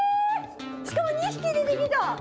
しかも２匹出てきた！